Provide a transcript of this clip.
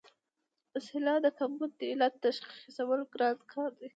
د سېلاب د کمبود د علت تشخیصول ګران کار دی.